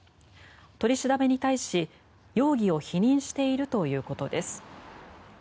取り調べに対し、容疑を否認しているということです。